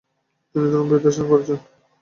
তিনি ধর্মের বিরুদ্ধাচরণ করেছেন।